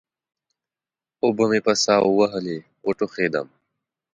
اوبه مې په سا ووهلې؛ وټوخېدم.